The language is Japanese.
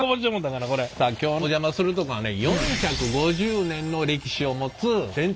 さあ今日お邪魔するとこはね